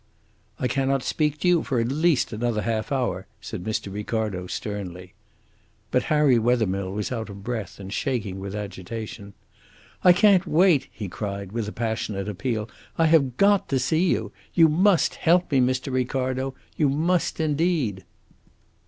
"I cannot speak to you for at least another half hour," said Mr. Ricardo, sternly. But Harry Wethermill was out of breath and shaking with agitation. "I can't wait," he cried, with a passionate appeal. "I have got to see you. You must help me, Mr. Ricardo you must, indeed!"